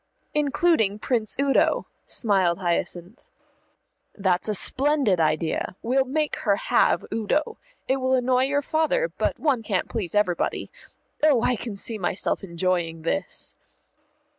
"Including Prince Udo," smiled Hyacinth. "That's a splendid idea. We'll make her have Udo. It will annoy your father, but one can't please everybody. Oh, I can see myself enjoying this."